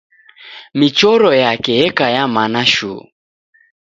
Michoro yake yeka ya mana shuu.